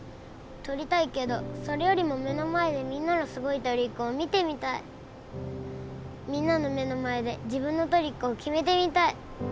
とりたいけどそれよりも目の前でみんなのすごいトリックを見てみたいみんなの目の前で自分のトリックを決めてみたい